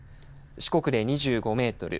四国で２５メートル